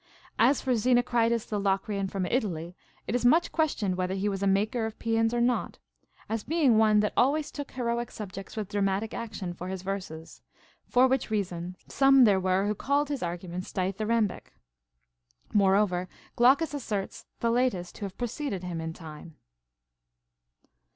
As for Xenocritus the Locrian from Italy, it is much questioned whether he was a maker of paeans or not, as being one that always took heroic subjects with dramatic action for his verses, for which reason some there were who called his arguments Dithyrambic. More over, Glaucus asserts Thaletas to have preceded him iii time.